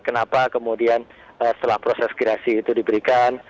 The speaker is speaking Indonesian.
kenapa kemudian setelah proses gerasi itu diberikan